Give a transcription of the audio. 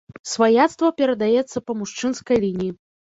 Сваяцтва перадаецца па мужчынскай лініі.